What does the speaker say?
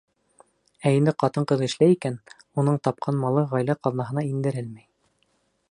Ә инде ҡатын-ҡыҙ эшләй икән, уның тапҡан малы ғаилә ҡаҙнаһына индерелмәй.